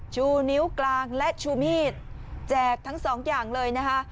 ชูนิ้วกลางและชูมีดแจกทั้งสองอย่างเลยนะคะ